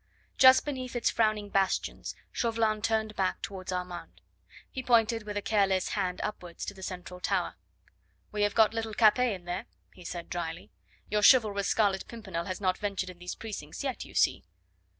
Just beneath its frowning bastions Chauvelin turned back towards Armand. He pointed with a careless hand up wards to the central tower. "We have got little Capet in there," he said dryly. "Your chivalrous Scarlet Pimpernel has not ventured in these precincts yet, you see."